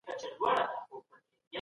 د کندهار صنعت کي د کارګرو اړیکې څنګه دي؟